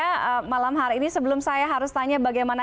saya malam hari ini sebelum saya harus tanya bagaimana